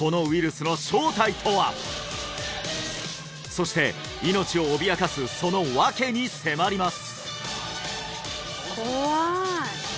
そして命を脅かすその訳に迫ります！